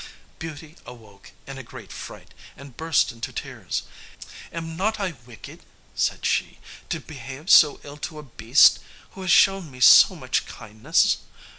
Beauty awoke in a great fright, and burst into tears. "Am not I wicked," said she, "to behave so ill to a beast who has shown me so much kindness?